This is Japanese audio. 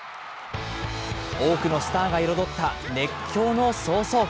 多くのスターが彩った熱狂の草創期。